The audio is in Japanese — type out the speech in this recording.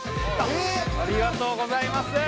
ありがとうございます。